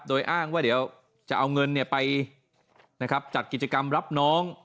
โดยอ้างว่าเดี๋ยวจะเอาเงินไปจัดกิจกรรมรับน้อง